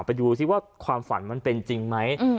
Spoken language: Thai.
ไปดูซิว่าความฝันมันเป็นจริงไหม